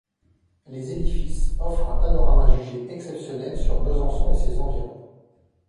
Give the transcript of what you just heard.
Les édifices offrent un panorama jugé exceptionnel sur Besançon et ses environs.